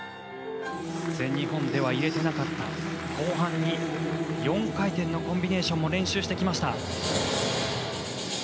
全日本では入れてなかった後半に４回転のコンビネーションも練習してきました。